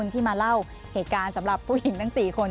ที่มาเล่าเหตุการณ์สำหรับผู้หญิงทั้ง๔คน